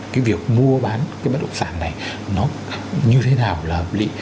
cái việc mua bán cái bất động sản này nó như thế nào là hợp lý